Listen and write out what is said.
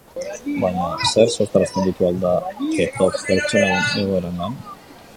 Baina zerk sortarazten ditu aldaketok pertsonaren egoeragan?